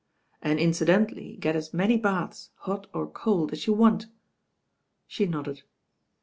"And incidentally get as many baths, hot or cold, as you want." She nodded.